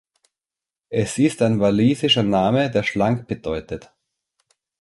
Es ist ein walisischer Name, der „schlank“ bedeutet.